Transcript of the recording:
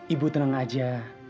ibu tenang aja